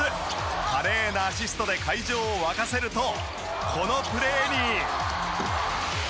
華麗なアシストで会場を沸かせるとこのプレーに。